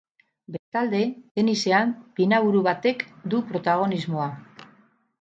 Bestalde, tenisean, pinaburu batek du protagonismoa.